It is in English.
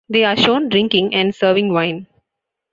They are shown drinking and serving wine.